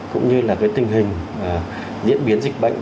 cũng như là tình hình diễn biến dịch bệnh